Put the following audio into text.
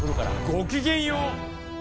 ごきげんよう！